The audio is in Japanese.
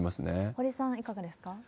堀さん、いかがですか？